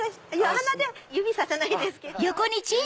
鼻で指させないですけど。